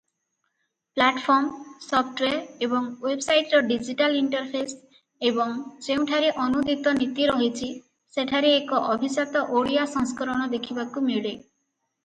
Platform, software ଏବଂ ୱେବସାଇଟର digital interface ଏବଂ ଯେଉଁଠାରେ ଅନୂଦିତ ନୀତି ରହିଛି ସେଠାରେ ଏକ ଅଭିଜାତ ଓଡ଼ିଆ ସଂସ୍କରଣ ଦେଖିବାକୁ ମିଳେ ।